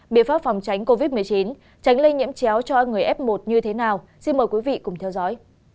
biện pháp phòng tránh covid một mươi chín tránh lây nhiễm chéo cho người f một như thế nào xin mời quý vị cùng theo dõi